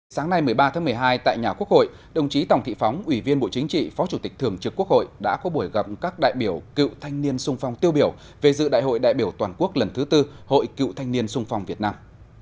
sáng nay một mươi ba tháng một mươi hai tại nhà quốc hội đồng chí tòng thị phóng ủy viên bộ chính trị phó chủ tịch thường trực quốc hội đã có buổi gặp các đại biểu cựu thanh niên sung phong tiêu biểu về dự đại hội đại biểu toàn quốc lần thứ tư hội cựu thanh niên sung phong việt nam